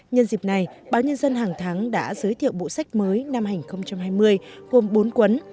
nhân dịp này báo nhân dân hàng tháng đã giới thiệu bộ sách mới năm hai nghìn hai mươi gồm bốn quấn